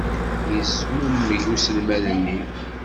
Yezmumeg uselmad-nni.